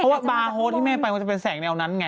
เพราะว่าบาร์โฮสที่แม่ไปมันจะเป็นแสงแนวนั้นไง